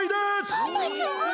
パパすごい！